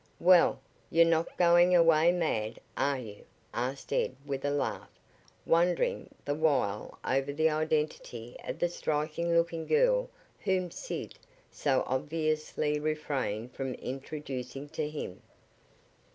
"Well, you're not going away mad, are you?" asked Ed with a laugh, wondering the while over the identity of the striking looking girl whom Sid so obviously refrained from introducing to him.